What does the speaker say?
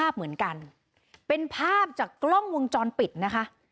เป็นภาพจากกล้องวงจรปิดนะคะ